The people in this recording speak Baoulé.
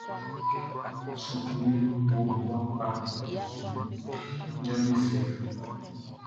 Sukluʼn wo mmua kpa, min jaʼm be fɛ.